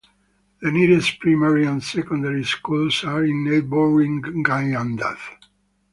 The nearest primary and secondary schools are in neighbouring Gayndah.